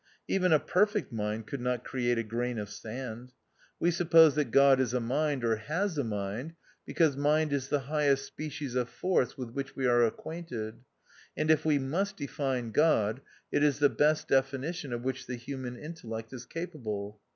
Even a perfect mind could not create a grain of sand. We suppose THE OUTCAST. 241 that God is a mind, or has a mind, be cause mind is the highest species of force with which we are acquainted ; and if we must define God, it is the best definition of which the human intellect is capable.